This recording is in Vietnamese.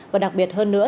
và đặc biệt hơn nữa